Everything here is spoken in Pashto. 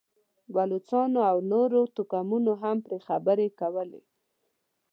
بلوڅانو او نورو توکمونو هم پرې خبرې کولې.